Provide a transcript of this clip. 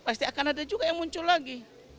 pasti akan ada juga yang muncul lagi